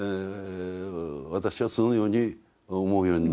私はそのように思うようになるわけ。